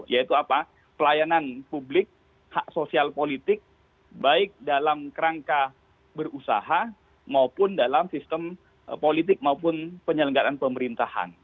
yaitu apa pelayanan publik hak sosial politik baik dalam kerangka berusaha maupun dalam sistem politik maupun penyelenggaraan pemerintahan